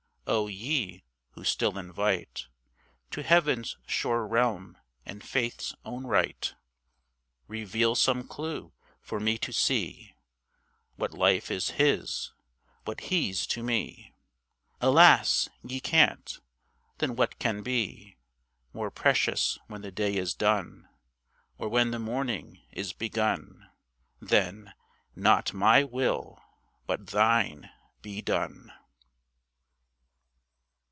O ye who still invite To heaven's sure realm and faith's own right, Reveal some clue for me to see What life is his, what he's to me. Alas! ye can't. Then what can be More precious when the day is done, Or when the morning is begun, Than, "Not my will, but Thine, be done."